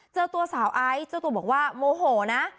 เจอตัวสาวไอซ์เจ้าตัวบอกว่าโมโหนะ